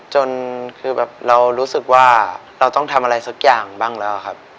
จนคือแบบเรารู้สึกว่าเราต้องทำอะไรสักอย่างบ้างแล้วครับ